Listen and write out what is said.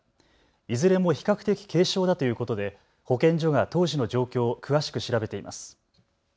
いずれも比較的、軽症だということで保健所が当時の状況を詳しく調べています。